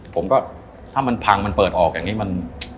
ผมก็ถ้ามันพังมันเปิดออกอย่างนี้มัน